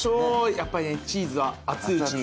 やっぱりねチーズは熱いうちに。